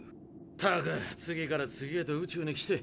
ったく次から次へと宇宙に来て。